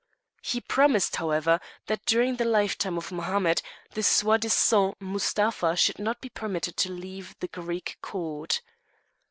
He promised, however, that during the lifetime of Mohammed, the soi disant Mustapha should not be permitted to leave the Greek court.